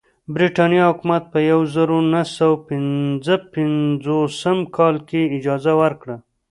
برېټانیا حکومت په یوه زرو نهه سوه پنځه پنځوسم کال کې اجازه ورکړه.